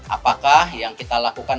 apakah yang kita lakukan